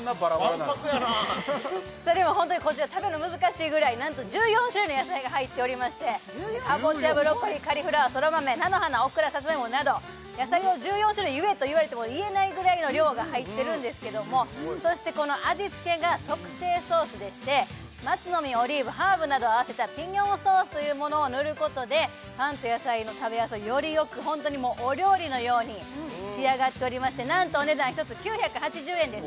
・わんぱくやなこちら食べるの難しいぐらいなんと１４種類の野菜が入っておりましてかぼちゃブロッコリーカリフラワー空豆菜の花オクラさつまいもなど野菜を１４種類言えと言われても言えないぐらいの量が入ってるんですけどもそしてこの味付けが特製ソースでして松の実オリーブハーブなどを合わせたピニョンソースというものを塗ることでパンと野菜の食べやすさをよりよくホントにお料理のように仕上がっておりましてなんとお値段１つ９８０円です